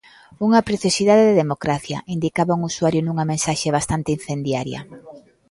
"Unha preciosidade de democracia!", indicaba un usuario nunha mensaxe bastante incendiaria.